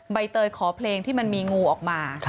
ใบเตยขอเพลงที่มันมีงูออกมา